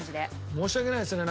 申し訳ないですね。